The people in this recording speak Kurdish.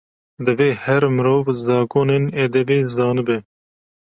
Divê her mirov, zagonên edebê zanibe.